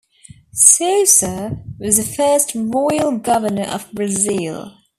Sousa was the first Royal Governor of Brazil.